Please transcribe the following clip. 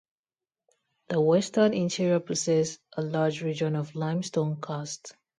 The western interior possess a large region of limestone karst.